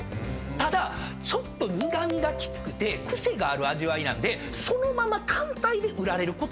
ただちょっと苦味がきつくて癖がある味わいなんでそのまま単体で売られることって非常に少ないんです。